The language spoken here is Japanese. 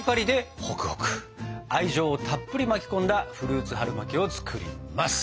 愛情をたっぷり巻き込んだフルーツ春巻きを作ります！